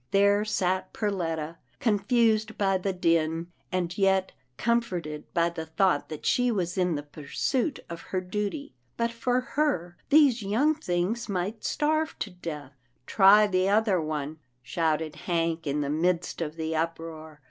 There sat Perletta, confused by the din, and yet comf orted by the thought that she was in the pursuit of her duty. But for her, these young things might starve to death. " Try the other one," shouted Hank, in the midst of the uproar.